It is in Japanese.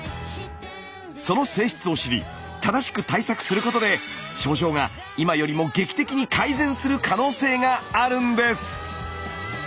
その性質を知り正しく対策することで症状が今よりも劇的に改善する可能性があるんです。